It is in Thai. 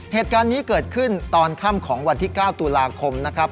เหตุการณ์นี้เกิดขึ้นตอนค่ำของวันที่๙ตุลาคมนะครับ